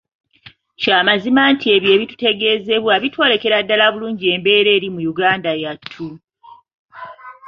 Kya mazima nti ebyo ebitutegeezebwa bitwolekera bulungi embeera eri mu Uganda yattu.